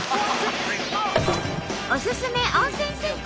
おすすめ温泉銭湯